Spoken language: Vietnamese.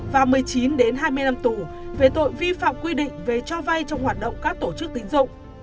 và một mươi chín hai mươi năm tù về tội vi phạm quy định về cho vay trong hoạt động các tổ chức tín dụng